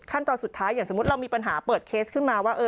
ตอนสุดท้ายอย่างสมมุติเรามีปัญหาเปิดเคสขึ้นมาว่า